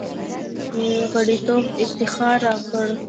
غړیتوب افتخار راکړ.